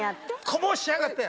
こぼしやがって！